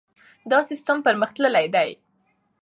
دا سیستم پرمختللی دی.